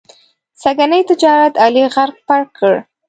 سږني تجارت علي غرق پرق کړ.